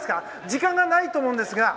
時間がないと思うんですが。